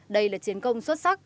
đây là chiến công xuất sắc